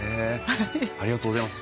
ありがとうございます。